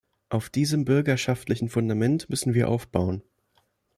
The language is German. Auf diesem bürgerschaftlichen Fundament müssen wir aufbauen.